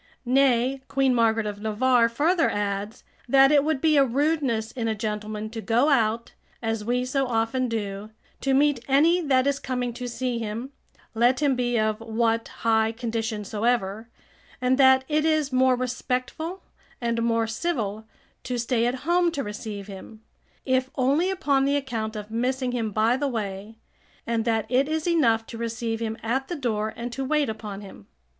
Nay, Queen Margaret of Navarre [Marguerite de Valois, authoress of the 'Heptameron'] further adds, that it would be a rudeness in a gentleman to go out, as we so often do, to meet any that is coming to see him, let him be of what high condition soever; and that it is more respectful and more civil to stay at home to receive him, if only upon the account of missing him by the way, and that it is enough to receive him at the door, and to wait upon him.